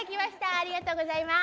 ありがとうございます。